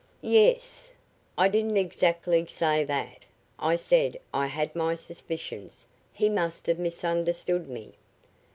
"Yes." "I didn't exactly say, that. I said I had my suspicions. He must have misunderstood me."